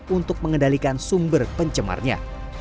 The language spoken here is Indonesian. untuk mengendalikan sumber pencemarnya